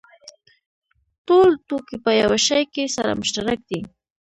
ټول توکي په یوه شي کې سره مشترک دي